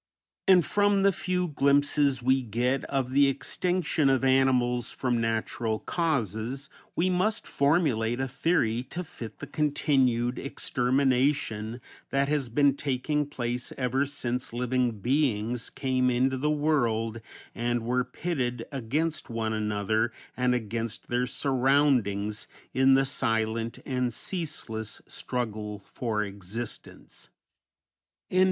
And from the few glimpses we get of the extinction of animals from natural causes we must formulate a theory to fit the continued extermination that has been taking place ever since living beings came into the world and were pitted against one another and against their surroundings in the silent and ceaseless struggle for existence. THE END.